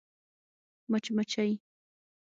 🐝 مچمچۍ